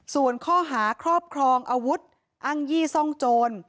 ส่วนข้อหาครอบครองอาวุธอ้างยี่ซ่องโจร